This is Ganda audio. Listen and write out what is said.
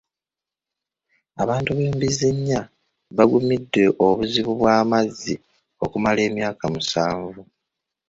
Abantu b'e Mbizzinnya bagumidde obuzibu bw'amazzi okumala emyaka musanvu.